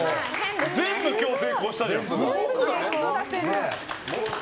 全部成功したじゃん。